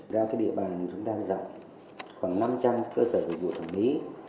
ra cái địa bàn chúng ta dạy khoảng năm trăm linh cơ sở dịch vụ thẩm mỹ